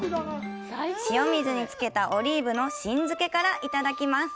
塩水に漬けたオリーブの新漬けからいただきます。